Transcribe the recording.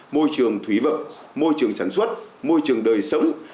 môi trường thủy vật môi trường sản xuất môi trường đời sống